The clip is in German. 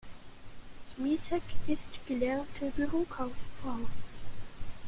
Smisek ist gelernte Bürokauffrau.